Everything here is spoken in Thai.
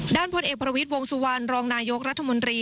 พลเอกประวิทย์วงสุวรรณรองนายกรัฐมนตรี